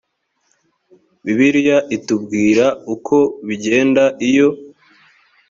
bibiliya itubwira uko bigenda iyo